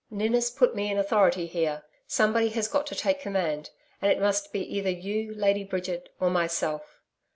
Ninnis put me in authority here. Somebody has got to take command, and it must be either you, Lady Bridget, or myself.